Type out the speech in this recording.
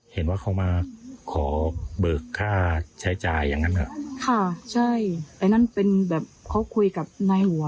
เห็นว่าเขามาขอเบิกค่าใช้จ่ายอย่างนั้นเหรอค่ะใช่ไอ้นั่นเป็นแบบเขาคุยกับนายหัว